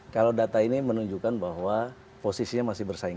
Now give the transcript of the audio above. kalau data ini menunjukkan bahwa posisinya masih bersaing